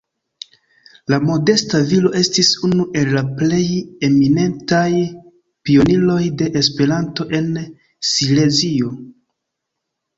La modesta viro estis unu el la plej eminentaj pioniroj de Esperanto en Silezio.